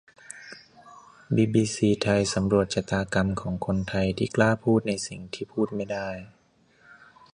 บีบีซีไทยสำรวจชะตากรรมของคนไทยที่กล้าพูดในสิ่งที่พูดไม่ได้